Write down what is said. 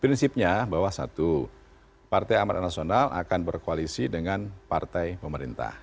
prinsipnya bahwa satu partai amarat nasional akan berkoalisi dengan partai pemerintah